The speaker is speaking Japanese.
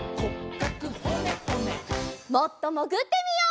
もっともぐってみよう！